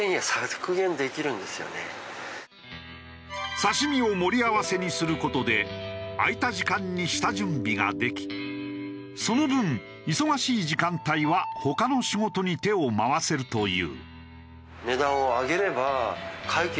刺身を盛り合わせにする事で空いた時間に下準備ができその分忙しい時間帯は他の仕事に手を回せるという。